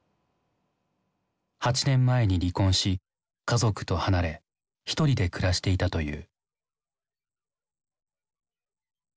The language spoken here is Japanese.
８年前に離婚し家族と離れひとりで暮らしていたという。